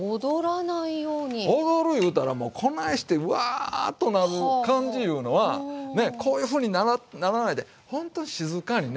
踊るいうたらもうこないしてウワーッとなる感じいうのはねこういうふうにならないでほんと静かにね